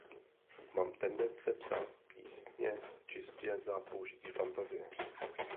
Mám tendence psát písně čistě za použití fantazie.